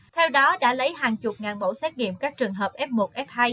theo đó đã lấy hàng chục ngàn mẫu xét nghiệm các trường hợp f một f hai